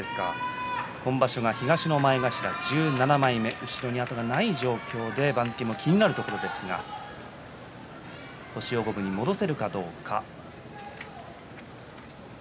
今場所は東の前頭１７枚目後ろに後がない状況で番付も気になるところですが星を五分に戻せるかどうか。